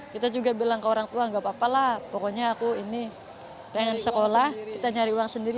kita juga bilang ke orang tua nggak apa apa lah pokoknya aku ini pengen sekolah kita nyari uang sendiri